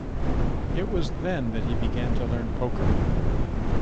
It was then that he began to learn poker.